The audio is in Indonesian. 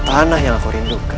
tanah yang aku rindukan